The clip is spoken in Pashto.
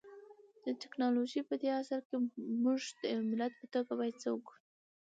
د ټکنالوژۍ پدې عصر کي مونږ د يو ملت په توګه بايد څه وکړو؟